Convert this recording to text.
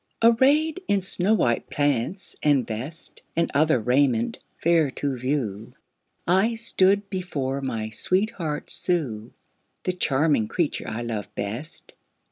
Arrayed in snow white pants and vest, And other raiment fair to view, I stood before my sweetheart Sue The charming creature I love best.